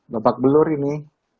lopak belur ini